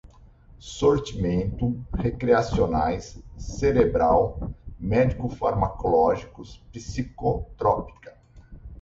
sortimento, recreacionais, cerebral, médico-farmacológicos, psicotrópica